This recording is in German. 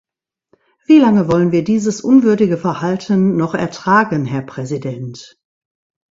Wie lange wollen wir dieses unwürdige Verhalten noch ertragen, Herr Präsident?